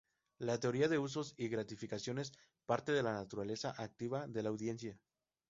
La teoría de usos y gratificaciones parte de la naturaleza activa de la audiencia.